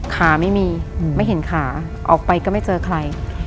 ขาไม่มีไม่เห็นขาออกไปก็ไม่เจอใคร